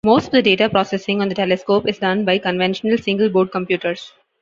Most of the data processing on the telescope is done by conventional single-board computers.